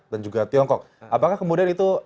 dan juga tiongkok apakah kemudian itu